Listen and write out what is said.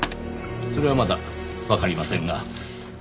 それはまだわかりませんが。